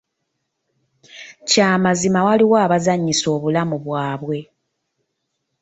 Kya mazima waliwo abazanyisa obulamu bwabwe.